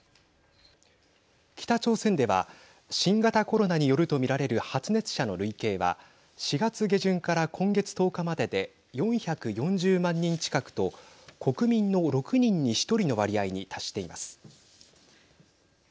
北朝鮮では新型コロナによるとみられる発熱者の累計は４月下旬から今月１０日までで４４０万人近くと国民の６人に１人の割合に達しています。